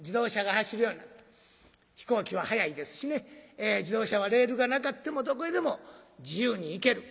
飛行機は速いですしね自動車はレールがなかってもどこへでも自由に行ける。